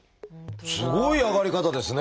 すごい上がり方ですね。